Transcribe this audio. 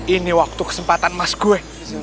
ini waktu kesempatan mas gue